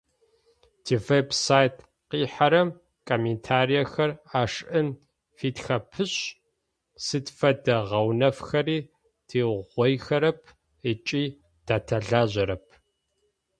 Тивеб-сайт къихьэрэм комментариехэр ашӏын фитхэпышъ, сыд фэдэ гъэунэфхэри тыугъоихэрэп ыкӏи тадэлажьэрэп.